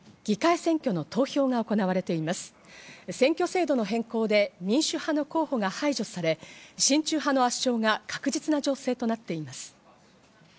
選挙制度の変更で民主派の候補が排除され、親中派の圧勝が確実な情勢となっています。